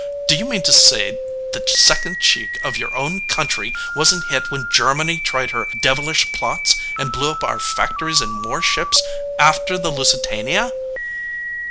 "Do you mean to say the second cheek of your own country wasn t hit when Germany tried her devilish plots and blew up our factories and more ships, after the Lusitania?"